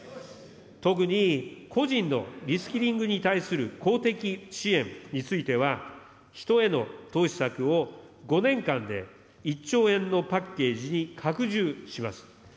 特に、個人のリスキリングに対する公的支援については、人への投資策を、５年間で１兆円のパッケージに拡充します。